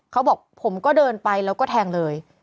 เขาบอกผมก็เดินไปแล้วก็แทงเลย